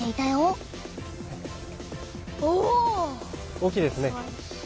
大きいですね。